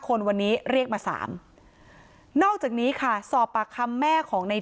คนวันนี้เรียกมา๓นอกจากนี้ค่ะสอบปากคำแม่ของใน